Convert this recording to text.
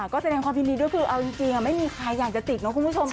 ก็แสดงความยินดีด้วยคือเอาจริงไม่มีใครอยากจะติดนะคุณผู้ชม